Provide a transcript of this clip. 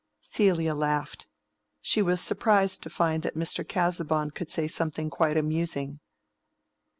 '" Celia laughed. She was surprised to find that Mr. Casaubon could say something quite amusing.